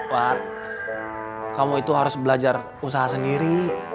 buat kamu itu harus belajar usaha sendiri